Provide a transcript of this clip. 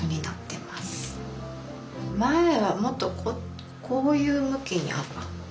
前はもっとこういう向きにあった。